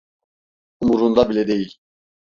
Umurunda bile değil.